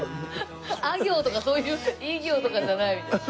あ行とかそういうい行とかじゃないみたいな。